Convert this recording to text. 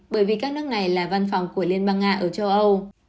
bởi vì các nước này là văn phòng của liên bang nga ở châu âu